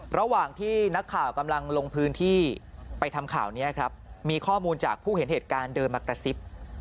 ระหว่างที่นักข่าวกำลังลงพื้นที่ไปทำข่าวนี้ครับมีข้อมูลจากผู้เห็นเหตุการณ์เดินมากระซิบ